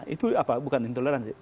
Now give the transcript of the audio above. itu apa bukan intoleransi